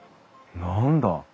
何だ？